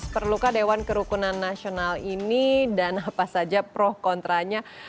perlukah dewan kerukunan nasional ini dan apa saja pro kontranya